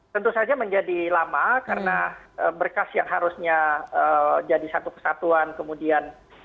tentu saja menjadi lama karena berkas yang harusnya jadi satu kesatuan kemudian